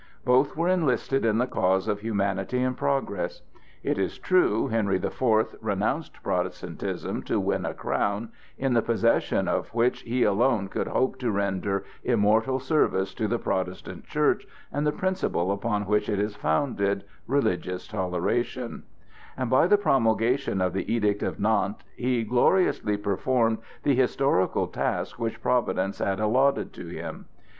Both were enlisted in the cause of humanity and progress. It is true, Henry the Fourth renounced Protestantism to win a crown, in the possession of which he alone could hope to render immortal service to the Protestant Church and the principle upon which it is founded, religious toleration; and by the promulgation of the Edict of Nantes he gloriously performed the historical task which Providence had allotted to him.